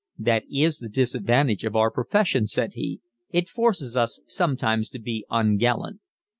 "That is the disadvantage of our profession," said he. "It forces us sometimes to be ungallant."